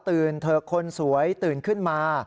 เถอะคนสวยตื่นขึ้นมา